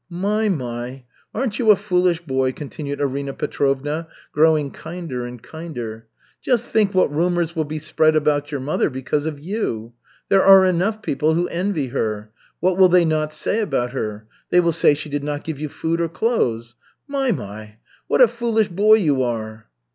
"My, my, aren't you a foolish boy?" continued Arina Petrovna, growing kinder and kinder. "Just think what rumors will be spread about your mother because of you. There are enough people who envy her. What will they not say about her? They will say she did not give you food or clothes. My, my, what a foolish boy you are!"